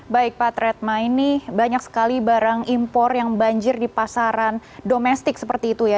baik pak tretma ini banyak sekali barang impor yang banjir di pasaran domestik seperti itu ya